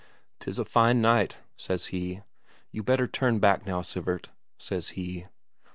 "'Tis a fine night," says he. "You better turn back now, Sivert," says he.